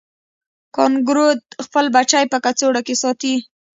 کانګارو خپل بچی په کڅوړه کې ساتي